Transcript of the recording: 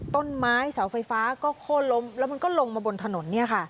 ต้นไม้เสาไฟฟ้าก็โค้นล้มแล้วมันก็ลงมาบนถนน